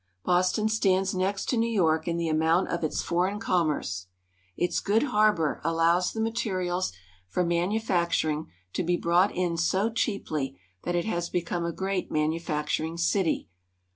Boston stands next to New York in the amount of its foreign commerce. Its good harbor allows the materials for manufacturing to be brought in so cheaply that it has become a great manufacturing city.